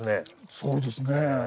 そうですねぇ。